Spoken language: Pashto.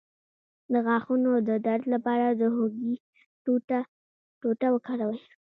د غاښونو د درد لپاره د هوږې ټوټه وکاروئ